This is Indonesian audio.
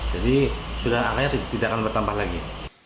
jadi sudah angkanya tidak akan bertambah lagi